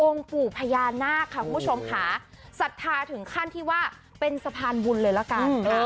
ปู่พญานาคค่ะคุณผู้ชมค่ะศรัทธาถึงขั้นที่ว่าเป็นสะพานบุญเลยละกัน